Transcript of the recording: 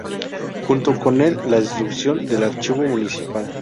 Junto con la destrucción del Archivo Municipal.